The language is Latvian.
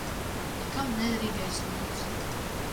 Nekam nederīgais znots.